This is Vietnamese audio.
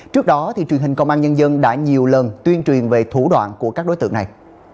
trước đó truyền hình công an nhân dân đã nhiều lần tuyên truyền về thủ đoạn của các đối tượng này